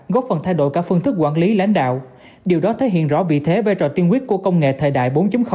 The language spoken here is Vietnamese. góp phần thay đổi cả phương thức quản lý lãnh đạo điều đó thể hiện rõ vị thế vai trò tiên quyết của công nghệ thời đại bốn